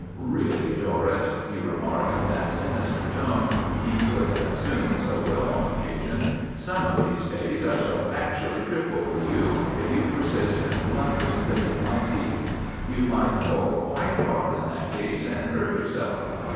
"Really, Dorrett," he remarked in that sinister tone he could assume so well on occasion, "some of these days I shall actually trip over you if you persist in blundering beneath my feet. You might fall quite hard in that case and hurt yourself.